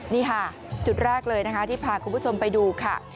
นี่ค่ะจุดแรกเลยนะคะที่พาคุณผู้ชมไปดูค่ะ